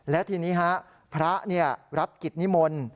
และทีนี้ฮะพระรับกิจนิมนต์